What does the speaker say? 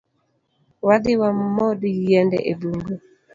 Wadhii wamod yiende e bung’u